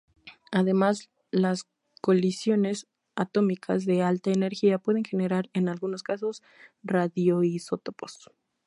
Además, las colisiones atómicas de alta energía pueden generar en algunos casos radioisótopos.